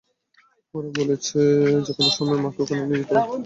ওরা বলেছে যেকোনো সময় মাকে ওখানে নিয়ে যেতে।